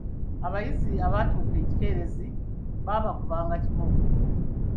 Abayizi abatuuka ekikeereze baabakubanga kibooko.